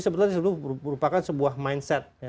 sebenarnya itu merupakan sebuah mindset